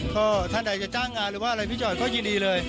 ก็ท่านใดจะจ้างงานหรือว่าอะไรพี่จอดก็ยินดีเลย